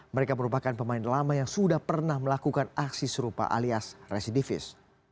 mereka merupakan pemain lama yang sudah pernah melakukan aksi serupa alias residivis